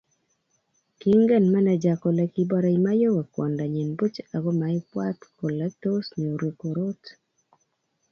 kiingen meneja kole kiborei Mayowe kwondonyin buch ako maibwaat kole tos nyoru korot